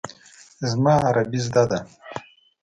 زما عربي زده ده.